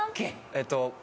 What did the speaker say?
えっと。